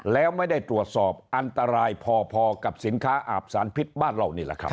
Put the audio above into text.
แล้วไม่ได้ตรวจสอบอันตรายพอกับสินค้าอาบสารพิษบ้านเรานี่แหละครับ